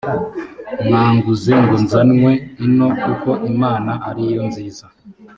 mwanguze ngo nzanwe ino kuko imana ari yo nziza